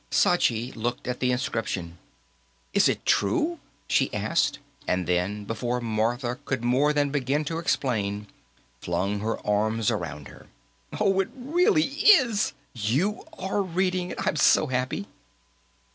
Sachi looked at the inscription. "Is it true?" she asked, and then, before Martha could more than begin to explain, flung her arms around her. "Oh, it really is! You are reading it! I'm so happy!"